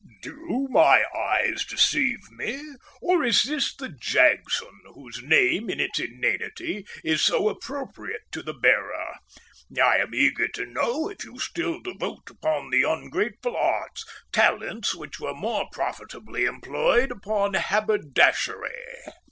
"Do my eyes deceive me, or is this the Jagson whose name in its inanity is so appropriate to the bearer? I am eager to know if you still devote upon the ungrateful arts talents which were more profitably employed upon haberdashery."